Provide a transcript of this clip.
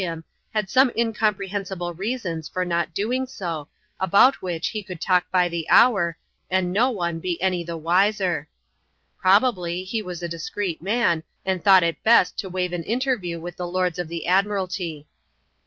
him, had some incompreliensible reasons for not doing so, about which he could talk by the hour, and no one be any the wiser. Probably, he was a ^screet man, and thought it best to waive an interview with the lords of the admiralty.